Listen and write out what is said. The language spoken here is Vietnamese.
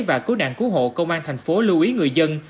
và cố đạn cứu hộ công an thành phố lưu ý người dân